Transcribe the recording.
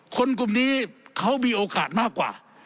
คนกลุ่มนี้เขามีโอกาสมากกว่า